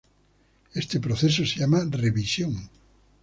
Este proceso se llama revisión.